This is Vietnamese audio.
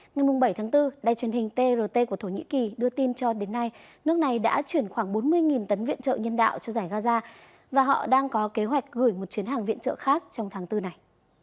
ngày bảy tháng bốn đài truyền hình trt của thổ nhĩ kỳ đưa tin cho đến nay nước này đã chuyển khoảng bốn mươi tấn viện trợ nhân đạo cho giải gaza và họ đang có kế hoạch gửi một chuyến hàng viện trợ khác trong tháng bốn này